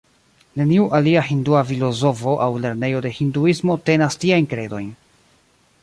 Neniu alia hindua filozofo aŭ lernejo de hinduismo tenas tiajn kredojn.